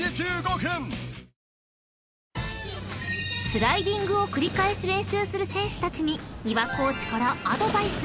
［スライディングを繰り返し練習する選手たちに三輪コーチからアドバイス］